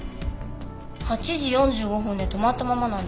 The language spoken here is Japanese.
８時４５分で止まったままなんですよね。